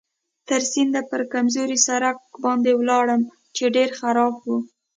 تر سینده پر کمزوري سړک باندې ولاړم چې ډېر خراب و.